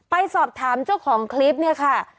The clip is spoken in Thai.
ไปสอบถามเจ้าของคลิปเนี่ยค่ะ